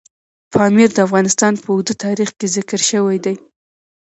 پامیر د افغانستان په اوږده تاریخ کې ذکر شوی دی.